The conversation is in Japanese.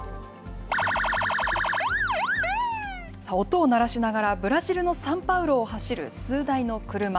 音を鳴らしながらブラジルのサンパウロを走る数台の車。